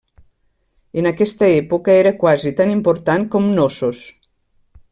En aquesta època era quasi tan important com Cnossos.